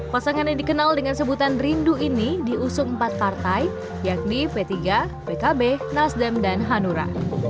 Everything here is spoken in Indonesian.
pasangan yang dikenal dengan sebutan rindu ini diusung empat partai yakni p tiga pkb nasdem dan hanura